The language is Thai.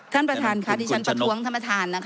ท่านประธานค่ะที่ฉันประท้วงท่านประธานนะคะ